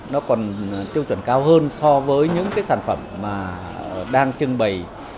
nó còn tiêu chuẩn cao hơn so với những sản phẩm đang trưng bày